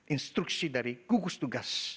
instruksi dari kugus tugas